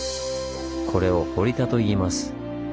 これを「堀田」といいます。